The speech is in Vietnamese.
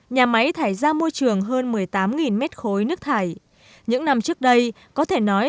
nhà máy thải ra môi trường hơn một mươi tám mét khối nước thải